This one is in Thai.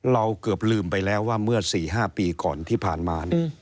เราเกือบลืมไปแล้วว่าเมื่อ๔๕ปีก่อนที่ผ่านมา